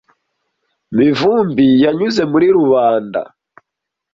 Mivumbi yanyuze muri rubanda.